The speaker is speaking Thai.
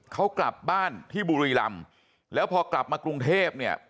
เขากลับบ้านที่บุรีรำแล้วพอกลับมากรุงเทพเนี่ย